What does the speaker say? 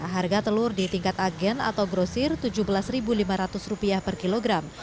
harga telur di tingkat agen atau grosir rp tujuh belas lima ratus per kilogram